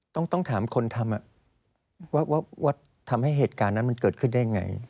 ต้องถามคนทำว่าทำให้เหตุการณ์นั้นมันเกิดขึ้นได้ยังไง